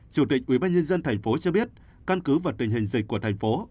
chủ tịch ubnd tp hcm cho biết căn cứ và tình hình dịch của thành phố